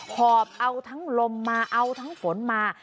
หอบเอาทั้งลมมาเอาทั้งฝนมา